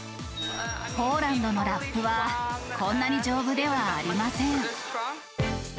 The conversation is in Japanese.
ポーランドのラップは、こんなに丈夫ではありません。